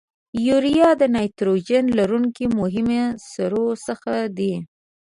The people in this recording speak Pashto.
یوریا د نایتروجن لرونکو مهمو سرو څخه ده.